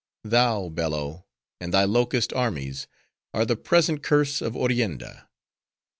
— thou, Bello, and thy locust armies, are the present curse of Orienda.